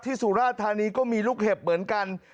สุราธานีก็มีลูกเห็บเหมือนกัน